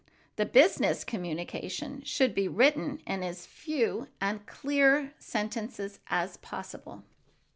The business communication should be written in as few and clear sentences as possible.